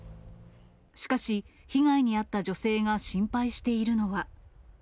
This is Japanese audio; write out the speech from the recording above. しかし、被害に遭った女性が心配しているのは。